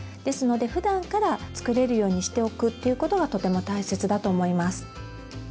ですのでふだんから作れるようにしておくということがとても大切だと思います。